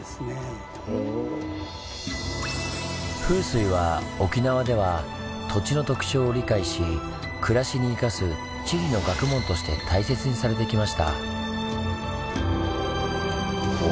風水は沖縄では土地の特徴を理解し暮らしに生かす地理の学問として大切にされてきました。